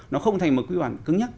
nó không thành một quy hoạch cứng nhất